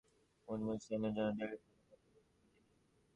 জানা গেছে, সুচিত্রা সেনের মেয়ে মুনমুন সেনের সঙ্গে টেলিফোনে কথা বলেছেন তিনি।